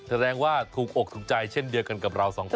แสดงว่าถูกอกถูกใจเช่นเดียวกันกับเราสองคน